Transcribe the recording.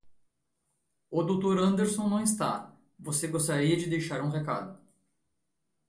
O Dr. Anderson não está, você gostaria de deixar um recado.